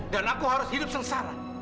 dan aku harus hidup sengsara